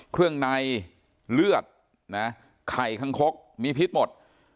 เครื่องในเลือดนะไข่คังคกมีพิษหมด